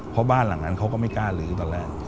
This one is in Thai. เพราะบ้านหลังนั้นเขาก็ไม่กล้าลื้อตอนแรก